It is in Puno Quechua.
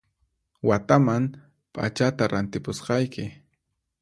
Wataman p'achata rantipusqayki